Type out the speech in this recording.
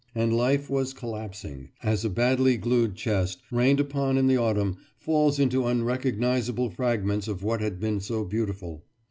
And life was collapsing as a badly glued chest, rained upon in the autumn, falls into unrecognisable fragments of what had been so beautiful.